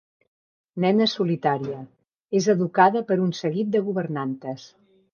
Nena solitària, és educada per un seguit de governantes.